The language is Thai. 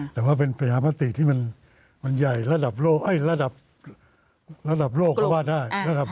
แต่ว่าเป็นประหยามติที่มันใหญ่ระดับโลกก็ว่าได้